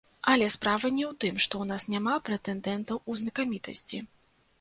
Але справа не ў тым, што ў нас няма прэтэндэнтаў у знакамітасці.